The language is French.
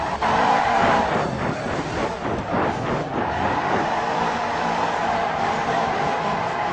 Le conseil municipal de la commune, est composé de onze élus.